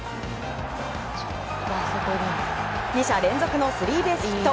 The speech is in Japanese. ２者連続のスリーベースヒット。